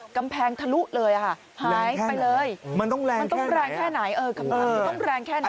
กำแพงทะลุเลยค่ะหายไปเลยมันต้องแรงแค่ไหนคำถามนี้ต้องแรงแค่ไหนค่ะ